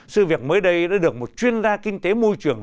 sự việc mới đây đã được một chuyên gia kinh tế môi trường